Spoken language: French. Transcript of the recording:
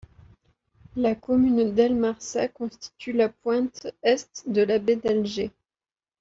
La commune d'El Marsa constitue la pointe est de la baie d'Alger.